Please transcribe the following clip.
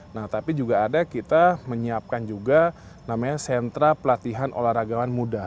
nah tapi juga ada kita menyiapkan juga namanya sentra pelatihan olahragawan muda